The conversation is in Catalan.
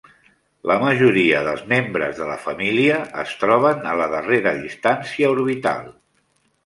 La majoria dels membres de la família es troben a la darrera distància orbital.